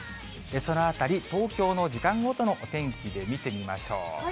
そのあたり、東京の時間ごとのお天気で見てみましょう。